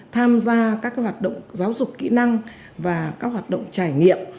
tham gia các hoạt động giáo dục kỹ năng và các hoạt động trải nghiệm